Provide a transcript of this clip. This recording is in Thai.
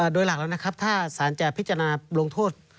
โดยหลักแล้วนะครับถ้าสารจะพิจารณาลงโทษ